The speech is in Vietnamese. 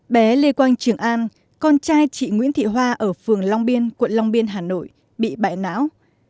bé lê quang trường an con trai chị nguyễn thị hoa ở phường long biên quận long biên hà nội bị bại não